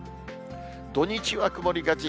土日は曇りがち。